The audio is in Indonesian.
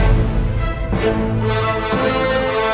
ratnan hingji ratnan hingji